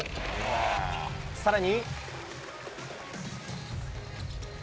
さらに。